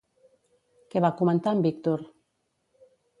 Què va comentar en Víctor?